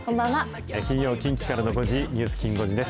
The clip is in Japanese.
金曜、近畿からの５時、ニュースきん５時です。